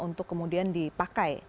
untuk kemudian dipakai